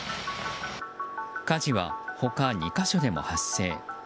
火事は他２か所でも発生。